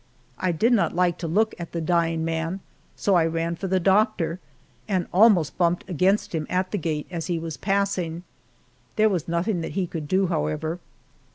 I did not like to look at the dying man, so I ran for the doctor and almost bumped against him at the gate as he was passing. There was nothing that he could do, however.